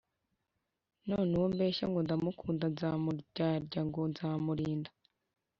None uwo mbeshya ngo ndamukunda Ndamuryarya ngo nzamurinda